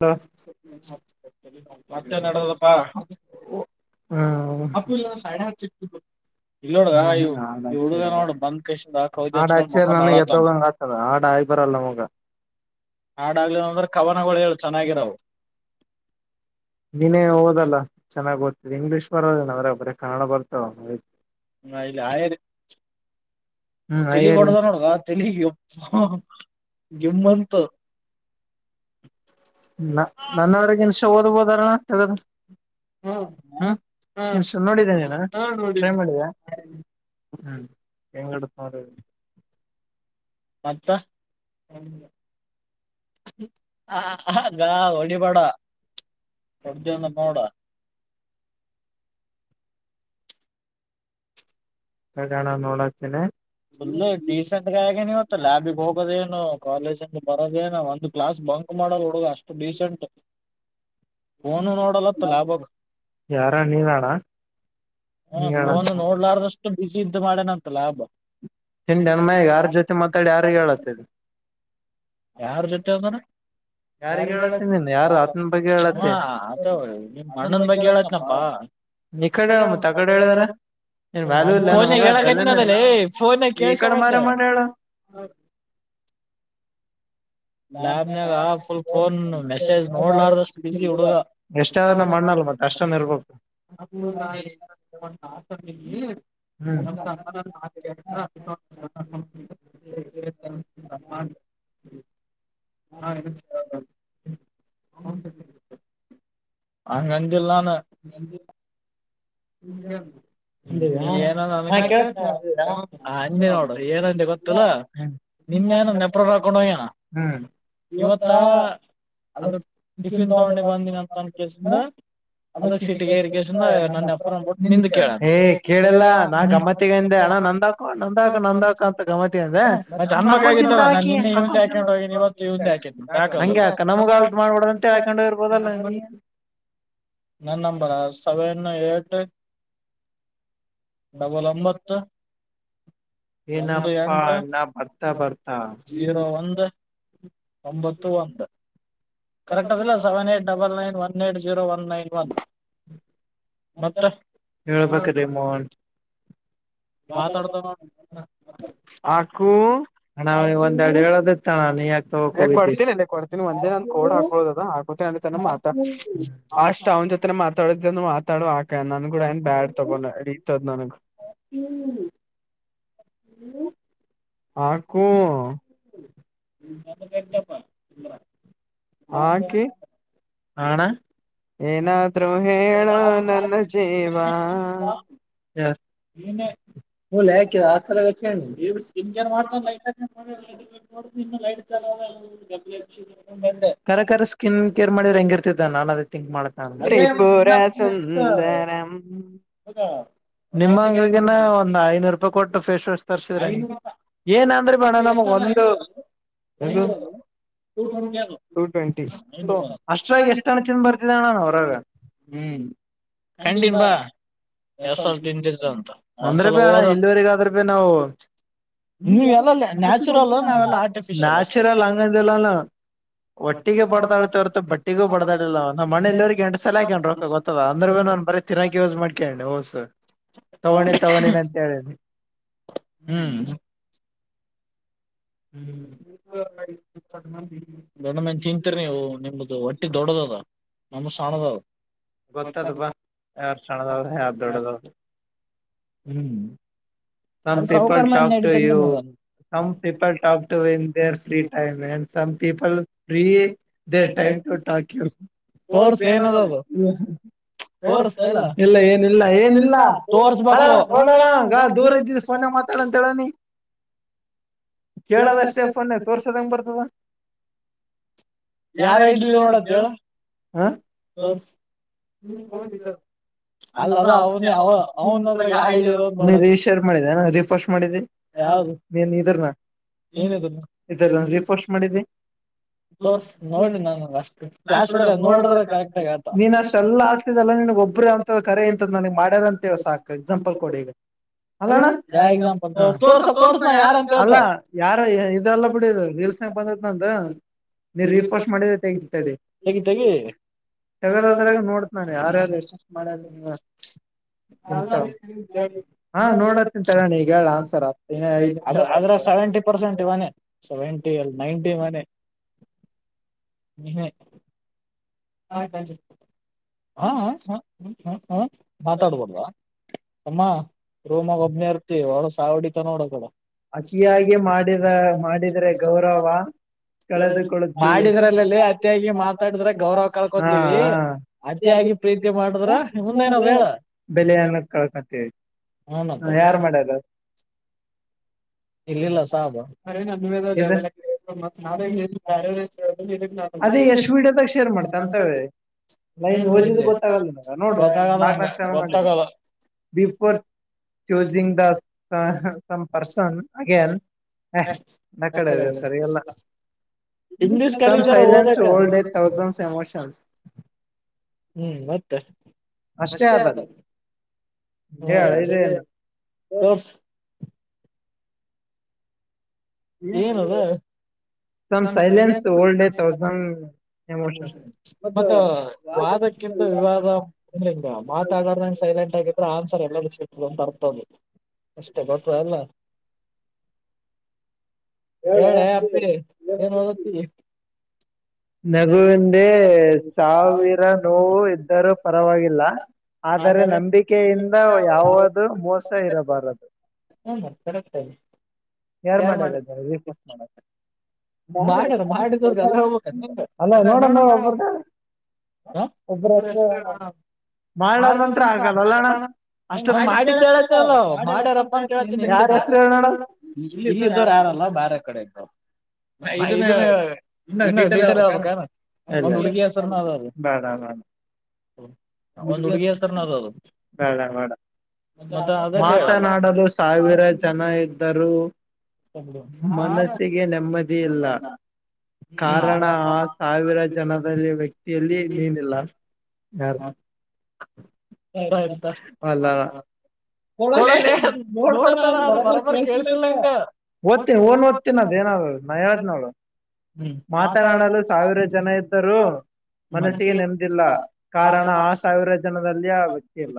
ಹ ಮತ್ತಪ್ಪ ಹ್ಮ ಆಡ ಹಚ್ಚರಿ ನನಗೆ ತಗಂಗ ಆಗ್ತದ ಆ ಬರಲ್ಲಾಮೋಗ ಆಾಡಾಗಲಿ ಅಂದ್ರೆ ಕವನಗಳು ಹೇಳ್ತವಿ ನೀನೇ ಓದಲ್ಲ ಚೆನ್ನಾಗ ಓದ್ತಿದೆ ಇಂಗ್ಲಿಷ್ ದ್ರೆ ಬರೇ ಕನ್ನಡ ಬರ್ತಾವ ಹಾ ಇಲ್ಲಿ ಆ ತೆಲಿಗ್ ಹೊಡ್ದ ನೋಡುವ ತೆಲಿಗ್ ಒ ನಿಮ್ಮಂತ [inaudible] ನ ನನ್ನದ್ರಗ ಇನ್ಷ ಓದ್ಬೋದಾರಣ ತಗದು ಹ್ಮ್ ನೀನ್ ಸು ನೋಡಿದ್ದೇ ನೀನ ಟ್ರೈ ಮಾಡಿದ ಹ್ಮ್ ಎಂಗತ್ರ ಮತ್ತ ಹ ಗಾ ಒಳಪಡಡ್್ದೊಂದು ಮೋಡ ಗಣ ನೋಡಾತೇನೆ ಫುಲ್ ಡೀಸೆಂಟ್ಗ ಹಾಗಗನ್ ಇವತ್ತಲ್ಲ ಆಾಬಿಿಗೆ ಹೋಗೋದೇಏನು ಕಾಲೇಜಂದ ಬರೋದೇನ ಒಂದ್ ಕ್ಲಾಸ್ ಬಂಕ್ ಮಾಡಲ್ ಹುಡುಗ ಅಷ್ಟು ಡೀಸೆಂಟ್ ಯಾರ ನೀನಾಡ ಹಾ ಫೋನ್ ನೋಡ್ಲಾರಷ್ಟು ಬಿಸಿ ಇದ್ದು ಮಾಡೇನ ಅಂತ ಲಾಭ ತಿಂಡನ್ ಮಾಗ ಯಾರ ಜೊತೆ ಮಾತಾಡಿ ಯಾರ ಹೇಳತ್ತದು ಯಾರ ಚುಟ್ಟ ಅಂದಾನ ಯಾರಿ ಹೇಳ ಯ ಹ ಆ ನಿಮ್ ಮಣ್ಣನ್ ಬಗ್ಗೆ ಹೇಳತ್ನಪ್ಪಾ [unintelligible] ಫೋನ್ ನಾಗ ಹೇಳಕತ್ತಿನಲ್ಲೇ ಫೋನ್ ನಾಗ ಕೇಳ್ಸವಲ್ದು [inaudible] ಇಷ್ಟೇ ಆದ್ರು ನಮ್ಮ ಅಣ್ಣ ತುಂಬಾ ಕಷ್ಟನ ಇರ್ಬೇಕು [unintelligible] ನನ್ನ ತಮ್ಮ ನನ್ನ ಮಾತು ಕೇಳ್ತನ [unintelligible] [unintelligible] ಆಗಂತ [unintelligible] ನಿಜ ಏನಾರ ಅಂದುಕೊಳ್ಳಿ ಅಂದೇ ನೋಡು ಏನಂದೆ ಗೊತ್ತಲ ನೆನ್ನೆ ನಂದು ನೆಪ್ರ ಹಾಕೊಂಡು ಹೋಗ್ಯಾನ ಹ್ಮ್ ಇವತ್ತ [unintelligible] [unintelligible] ಏ ಕೇಳಲ್ಲ ನಾ ಗಮ್ಮತ್ತಗಿಂದೆ ಅಣ್ಣ ನಂದಾಕೋ ನಂದಾಕೊ ನಂದಾಕೊ ಅಂತ ಗಮ್ಮತಿಗೆ ಅಂತ ಹೇಳಿದೆ ಹಾಕೊಂತೀನಿ ಹಂಗೆ ಹಾಕೋ ನಮಗೆ ಮಾಡ್ಬೋಡ ಅಂತ ಹೇಕೊಂಡು ಇರ್ಬೋದಲ್ಲ ನೀ ನನ್ನ ನಂಬರ್ ಆ ಸೆವೆನ್ ಏಟ್ ಡಬಲ್ ಒಂಬತ್ತು ಒಂದು ಎಂಟು ಜೀರೋ ಒಂದು ಒಂಬತ್ತು ಒಂದು ಕರೆಕ್ಟ್ ಅದಲ್ಲ seven eight double nine one eight zero one nine one ಹೇಳ್ಬೇಕ ನಿಮ್ಮಅವನ್ ಮಾತಾಡ್ತ ನೋಡು ಅಣ್ಣ ಒಂದೆರಡು ಹೇಳೋದು ಇತಣ್ಣ ಏ ಕೊಡ್ತೀನಿ ಅಲ್ಲ ಕೊಡ್ತೀನಿ ಒಂದಿನ ಅಂದ ಕೋಡ್ ಹಾಕೊಳ್ಳುದು ಅದ ಹಾಕತನ ಮಾತ ಅಷ್ಟ್ ಅವ್ನ ಜೊತೆನೆ ಮಾತ ಮಾತಾಡಿದ ಮಾತಾಡ ಆಕ ನನ್ ಕೂಡ ಏನ್ ಬ್ಯಾಡ್ ತಗೊಂಡೋ ನೆಡೀತದ್ ನನ್ಗ್ ಹ್ಮ್ ಹಾಕು [unintelligible] ಹಾಕಿ ಆ ಅಣ್ಣ ಏನ ದ್ರೋಹಿ ಹೇಳೋ ನನ್ನ ಜೀವಾ ಇವ್ನು ಸ್ಕಿನ್ ಕೇರ್ ಮಾಡ್ತಾನ ಲೈಟ್ ಹಾಗಿ ಕಾರಕರ ಸ್ಕಿನ್ ಕೇರ್ ಮಾಡಿರೇ ಹೆಂಗಿರ್ತಿದ್ದ ನಾನು ಅದೇ ಥಿಂಕ್ ಮಾಡಿದೆ [unintelligible] ನಿಮ್ಮ್ ಅಂಗಡಿಗೇನೇ ಒಂದ್ ಐನೂರು ರೂಪಾಯಿ ಕೊಟ್ಟು ಫೇಶ್ ವಾಶ್ ತರ್ಸಿದ್ರ ಏನ ಅಂದ್ರೆ ಬೇಡ ನಮಗೆ ಒಂದು ಅಷ್ಟ್ರಾಗಿ ಎಷ್ಟ ಕ್ರೀಮ್ ಬರ್ತಿದ್ದಣಾನ ಅವರಾಗ ಹ್ಮ್ ಅಂಗಡಿಗೆ ಬಾ ಅಂದ್ರೆ ಇಲ್ಲಿವರೆಗಾದ್ರಪ ನವು ನಚುರಲ್ ಹಂಗ್ ಅದಿದಲ್ಲ ಹೊಟ್ಟಿಗೆ ಬಡ್ದಾಳತ ಅವರ ಬಟ್ಟಿಗೂ ಬಡ್ದಾಳಲ್ಲ ಮನಲ್ಲರಿಗೆಗ ಎಂಡ್ ಸಲಾಕ ಹಾಕಿನೀ ರೊಕ್ಕ ಗೊತ್ತಲ್ಲ ಅಂದ್ರೆ ನ್ ಬರೀ ತಿನ್ನಾಕ ಯೂಸ್ ಮಾಡಿಕೊಂಡು ತಗೊಂಡಿನಿ ತಕೊಂಡಿನಿ ಅಂತ ಹೇಳಿ ಹ್ಮ್ ಹ್ಮ ಗಣಮಂದ ತಿಿಂತರಿ ನೀವು ನಿಮ್ದು ಒಟ್ಟಿ ದೊಡ್ಡದದ ನಮ್ಮಸಣದು ಯಾರ ಸಣದ ಯಾರ ದೊಡದ ಹ್ಮ್ principal talked you some people talk to one their free time and some people free time ಟಾ ತೋತ ಇಲ್ಲ ಏನಿಲ್ಲ ಏನಿಲ್ಲ ದೂರ ಫೋನ ಮಾತಾಡ ಅಂತೇಳಣಿ ಕೇಳದಷ್ಟೇ ಫೊನ್ ಎತ್ತು ವರ್ಸದಂಗ ಬರ್ತದ ಯಾರ ಇಡ್ಲಿ ನೋಡತ್ತ ಹೇಳ ಅಲ್ಲ ಯ ಶೇರ್ ಮಾಡಿದೆ ರರಿಫರ್ಸ್ ಮಾಡಿದೆ ನೀನ್ ಇದ್ರನ ಇದ ರೀಫರ್ಸ್ಟ್ ಮಾಡಿದ್ದೆ ತಸ್ ನೋಡಿ ನಾನ ಅಷ್ಟ ಕ್ಲಾಸ್ ಹೊಡಲ್ಲ ನೋಡಿದ್ರೆ ಕರೆಕ್ಟ್ ಆಗ ಆತ ಕರೆ ಎಂತ ನನಗ್ ಮಾಡ್ಯದ ಅಂತೇಳಿ ಸಾಕಕ್ ಎಕ್ಸಾಂಪಲ್ ಕೊಡಿ ಈಗ ಅಣ ಅಲ್ಲ ಯಾರ ಇದೆಲ್ಲ ಬಿಲ್ ನಂತ ಫರ್ಸ್ ಮಾಡ ತಂಗತಿರ್ತದೆ ತಗದದ್ರಾಗ ನೋಡತ ನಾನನ್ ಯಾರ್ಯಾರು ಎಷ್ಟುಷ್ಟು ಮಾಡ್ಯಾರ ನೀವ ನ ಹಾ ಅದ್ರ ಸೆವೆಂಟಿ ಪರ್ಸೆಂಟ್ ಮನೆ ಸೆವೆಂಟ ನ್ಯಾಟಿ ಮನೆ ಮನೆ ಹ ಹಾ ಹ ಹ ಹ ಹ ಮಾತಾಡಬಹುದ ತಮ್ಮ ರೂಮ್ ನ್ಯಾಗ ಒಬ್ನೆ ಇರ್ತಿ ಹೊಡುದ ಸ್ಯಾಹೊಡಿತರ ನೋಡ ಅಕಡೆ ಅತಿಯಾಗಿ ಮಾಡಿದ ಮಾಡಿದ್ರೆ ಗೌರವ ಕಳೆದು ಕೊಡುತೇವೆ ಹಾ ಹಾ ಬೆಲೆಯನ್ನಕ ಹಾ ಮತ್ತ ಇಲ್ಲಿಲ್ಲ ಸಾಬ ನನೆ ಅದೇ ಎಷ್ಟು ವೀಡಿಯೋದಾಗ ಶೇರ್ ಮಾಡ್ತ ಅಂತವೆ ಲೈನ್ ಓದಿದ ಗೊತ್ತಾಗಲ್ಲ ನೋಡ್ರ ನಾಲ್ಕ ನಾಲ್ಕ ಜೋಲೋ ಮಾಡಿದ ಬಿಫೋರ್ ಚೋಗದಿಂಗ್ಗದ ಅ ಸಮ ಪಸನ್ ಅಗೇನ್ ಹ ನ ಕಡೆ ಸರಿ ಅಲ್ಲ ಸೈಲೆನ್ಸ್ ಓಲ್ಡನ ತೌಸಂಡ್ಸ್ ಎಮೋಷನ್ಸ್ ಹ್ಮ್ ಮತ್ತ ಅಷ್ಟೇ ಆದಲ್ಲಿ ಹೇಳ ಏನು ಏನ ಅದು ಸಮ್ ಸೈಲೆನ್ಸ್ ಓಲ್ಡ್ ಜ್ ತೌಸ್ ಮತ್ತ ವಾದಕ್ಕಿಂತ ವಿವಾದ ಅಂದ್ರೆ ಹಿಂಗ ಮಾತಾಡಡಂಗ ಸಹ ಕರೆಟ್ಟ್ ಆಗಿದ್ರೆ ಆನ್ಸರ್ ಎಲ್ಲ ಸಿ ಬರ್ತದೆ ಅಷ್ಟೆ ಗೊತ್ತ ಅಲ್ಲ ಹೇಳ ಹೇ ಅಪ್ಪಿ ಎನ್ ಹೋದಕತ್ತಿ ನಗುವಿಂದೆ ಸಾವಿರ ನೋವು ಇದ್ದರೂ ಪರವಾಗಿಲ್ಲ ಆದರೆ ನಂಬಿಕೆಯಿಂದ ಯಾವದು ಮೋಸ ಇರಬಾರದು ಹ್ಮ ಮತ್ತೆ ಕರೆಟ್ಟ್ ಹೈತಿ ಯಾರ ಮಾಡೇರ ಇದುನ್ನ ರೀ ಪ್ರಸನ್ನ ಮಾಡಕ ಯಾರದು ಅದು ಅಲ್ಲ ನೋಡೋಣ ಒಬ್ರ ಒಬ್ಬರ ಹತ್ರ ಮಾಡಲಾರ ಹಂತರು ಆಗಲ್ಲ ಅಲ್ಲ ಅಣ್ಣ ಅಷ್ಟ ಮಾಡ ಮಾಡ್ಯಾರಪ್ಪ ಅಂತ ಹೇಳತೀನಿ ಯಾರ್ ಹೆಸರ ಹೇಳು ನೋಡೋನು ಇಲ್ಲಿದರ ಯಾರರಾ ಎಲ್ಲ ಬೇರೆ ಕಡೆ ಇದ್ದನ ಇದನ್ನ ಇನ್ನು ಡಿಟೇಲ್ ಹೇಳ ಬೇಕೇನು ಇಲ್ಲಲ್ಲಾ ಬ್ಯಾಡ ಹೇಳು ಬ್ಯಾಡ ಹೇಳ ಬ್ಯಾಡ ಮಾತನಾಡಲು ಸಾವಿರ ಜನ ಇದ್ದರು ಮನಸ್ಸಿಗೆ ನೆಮ್ಮದಿ ಇಲ್ಲ ಕಾರಣ ಆ ಸಾವಿರ ಜನದಲ್ಲಿ ವ್ಯಕ್ತಿಯಲ್ಲಿ ನೀನಿಲ್ಲ ಯಾರ ಅಲ್ಲ ಕೊಡಲ್ಲೇ ನೋಡ್ತಾನ ಅನ್ ಬರಬ್ಬರಿ ಕೇಳ್ಸಿಲ್ಲ ಇಗ ಓ್ತನಿ ಓನ್ ದ್ತಿ ಅದ ಹೇನಾದ್ ನ್ ಹೇಳದ್ ನೋಳು ಹ್ಮ್ ಮಾತನಾಡಲು ಸಾವಿರ ಜನ ಇದ್ದರು ಮನಸ್ಸಿಗೆ ನೆಮ್ಮದಿ ಇಲ್ಲ ಕಾರಣ ಆ ಸಾವಿರ ಜನದಲ್ಲಿ ಆ ವ್ಯಕ್ತಿ ಇಲ್ಲ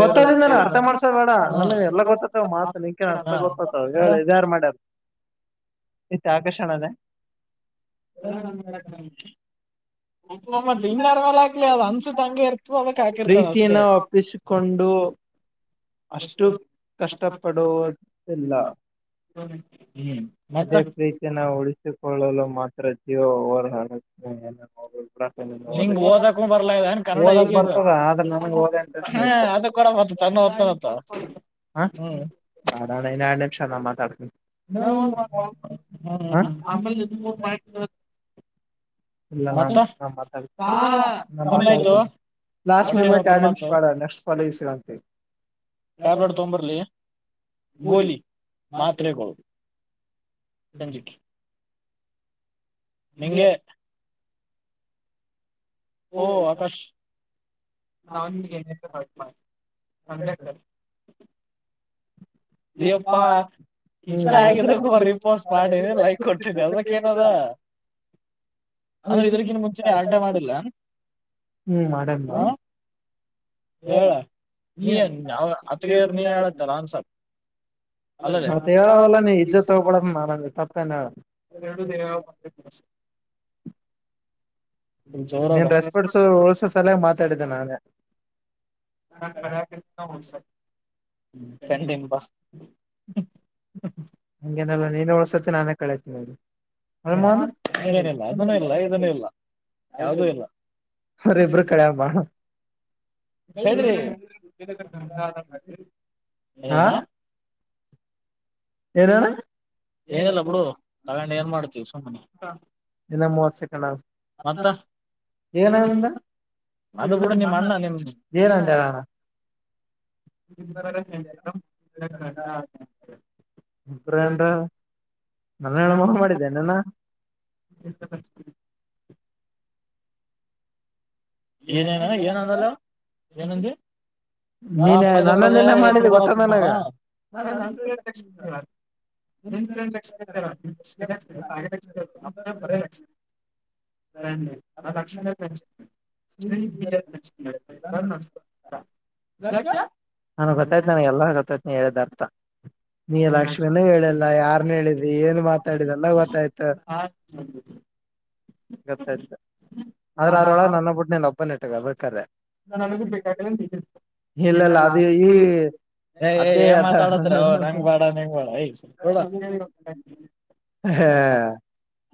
ಗೊತ್ತಾದಿಂದ ನನ್ಗೆ ಅರ್ಥ ಮಾಡ್ಸದ್ ಬೇಡ ನನ್ಗೆ ಎಲ್ಲ ಗೊತ್ತತ್ತ ಮಾತಲಿ ಅ ಅಷ್ಟ ಗೊತ್ತತ ಹೇಳ ಇದ ಯಾರ್ ಮಾಡ್ಯಾರ ಹಾ ಹಾ ಇತ ಆಕರ್ಷಣ ಅದ ಎಲ್ಲ ಮತ್ ಹಂಗಾರ ಮೇಲೆ ಹಾಕ್ಲಿ ಅದು ಅನ್ಸತ್ ಹಂಗೆ ಇರ್ತದ ಅದಕ್ ಹಾಕಿರ್ತದ ಅಷ್ಟೇ ಕೊಂಡು ಅಷ್ಟು ಕಷ್ಟಪಡುವುತಿಲ್ಲ ಅದೇ ಪ್ರೀತಿಯಿನ ಉಳಿಸಿಕೊಳ್ಳಲು ಮಾತ್ರ ಜೀವ ಹರ್ ಹುತ್ತೆ ಹ್ಮ ಎಲ್ಲ ನ ನಿಂಗ್ ಓದಕೂ ಬರ್ಲಾ ಇನ್ ಕನ್ನಡ ಹೀಗ ಹ ಅದು ಕೂಡ ಮಂದ ತ ಹ ಅದನಳ ನಿಮಿಷ ನತ್ತ ನ ಆಲೆ ನಿ ಮಾ ಇಲ್ಲ ನ ನಮ್ಮ ತ ಲಾಸ್ಟ್ ಮೆಮರಿಟ್ ಆ್ಯಡಮ್ಸ್ ಬಡ ನೆಕ್ಸ್ಟ್ ಕಾಲೇಜ್ ಸಿಗಂತ ಯ ಬಲಿ ಮಾತ್ರ ರಜಿ ನಿಗೆ ಓ ಆಕಾಶ ನನ್ ಸ್ ಮಾಡಾನ ಸಮ ಸ ನೀ ಅಪ್ಪಾ ಇಷ್ಟ ಆಗಿದ್ರೂ ರಿಸಸ್ಪಾನ್ಸ್ ಮಾಡೀನಿ ಲೈಕ್ ಕೊಟ್ಟೀನಿ ಅದಕ್ಕ ಏನದ ಆದ್ರೆ ಇದರಿಕ್ಕಿನ್ ಮುಂಚೆ ಆಟ ಮಾಡಿಲ್ಲ ಹ್ಮ್ ಹ ಹೇಳ ನೀ ನಾವ ಅತಗರ್ ನೀ ಹೇಳತ್ತಲ್ಲ ಅನ್ಸಲ್ ಮತ್ತ ಹೇಳವಲ್ಲ ನೀ ಇಜ್ಜ ತಗೊಳದ ಮಾಡ ತಪ್ಪೇನ್ ಹೇಳ ಎರಡು ದೇವಾವ ಮಸ [unintelligible] [unintelligible] ಹಂಗೇನಲ್ಲ ನೀನೇ ಒಳ್ಸತಿ ನಾನೇ ಕಳತೀನಿ ಅದು ಅನುಮಾನ ಅರಿ ಇಬರು ಕಡಗ್ ಬಳ ಹೇಳ್ರಿ ಏ ಏನಾನ ಏನಲ್ಲ ಬಿಡು ತಗೊಂಡೆ ಏನ್ ಮಾಡ್ತೀವಿ ಸುಮ್ಮನೆ ಇನ್ನ ಮೂವತ್ ಸೆಕೆಂಡ್ ಏನಂದ ಅ ಕೂ ಮಣ್ಣ ಜೇನಂತರಣ ಇರಟ ಇಬ್ರ ನ್ರ ನನ್ನ ಹೇಳ ಮನ್ ಮಾಡಿದ್ದೇನನ ಹ ಏನೇನು ಏನ ಅಂದಲ್ಲ ಏನಂದ ಹಾ ಪಜೆ ಪದ ಹೆಷ್ಟು ಬರ ತ ನಿಮಕ್ಷರ ನಿರೀಕ್ಷಣ ನಮ ಬರಕ್ಷಣ ರಿ ಆ ಲಕ್ಷ್ಯ ಶ ಬಿತ್ತ ನನ್ಗ್ ಗೊತ್ತಾಯ್ತ ನನಗೆ ಎಲ್ಲ ಗೊತ್ತಾಯ್ತನ ಹೇಳಿದ್ದ ಅರ್ಥ ನೀ ಲಕ್ಷ್ಮೀನ ಹೇಳಲ್ಲ ಯಾರ್ನ್ ಹೇಳಿದಿ ಏನ್ ಮಾತಾಡಿದ ಎಲ್ಲ ಗೊತ್ತಾಯ್ತು ಹ ಗೊತ್ತಾಯ್ತು ಆದ್ರ ಅರೊಳ ನನ್ನಬಟ್ಟನನ್ ಒಬ್ಬನೆಟ್ಟಗ ಬೇಕಾದ್ರೆ ಹಲ್ಲಲ್ಲದು ಈ ಏನ್ ಮಾತಾಡತ್ರ ನಂಗ್ ಬಾಡ ನಿಂಗ್ ಬೇಡ ಯ ಬ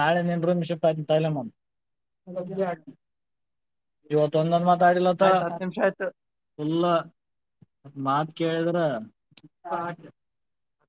ನಾಳೆ ನಿಟ ನಿಮಿಷ ತಲ ಮ ಇವ ತಂದನ್ ಮಾ ತಾಡಲತ ಉಲ್ಲ ಮಾತ್ ಕೇಳಿದ್ರ